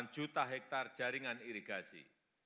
satu delapan belas juta hektare jaringan irigasi